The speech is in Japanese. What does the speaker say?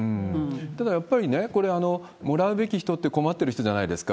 ただ、やっぱりこれ、もらうべき人って、困ってる人じゃないですか。